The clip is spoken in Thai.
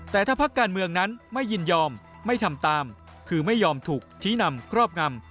แต่ถ้าพักการเมืองนั้นไม่ยินยอมไม่ทำตามคือไม่ยอมถูกชี้นำครอบงำ